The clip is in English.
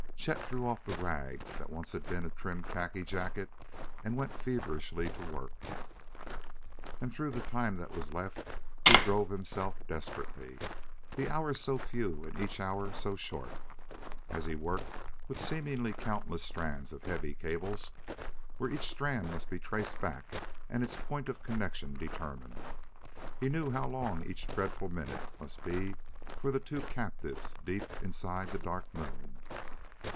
Chet threw off the rags that once had been a trim khaki jacket and went feverishly to work. And through the time that was left he drove himself desperately. The hours so few and each hour so short! As he worked with seemingly countless strands of heavy cables, where each strand must be traced back and its point of connection determined, he knew how long each dreadful minute must be for the two captives deep inside the Dark Moon.